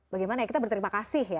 bagaimana kita berterima kasih ya